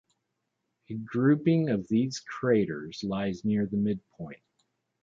A grouping of these craters lies near the midpoint.